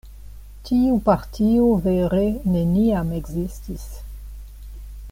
Tiu partio vere neniam ekzistis.